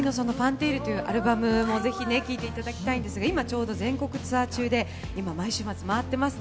今回の『Ｆｕｎｔａｌｅ』というアルバムもぜひ聴いていただきたいんですが今、全国ツアー中で、毎週末回ってます。